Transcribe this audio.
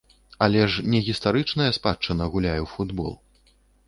Але ж не гістарычная спадчына гуляе ў футбол.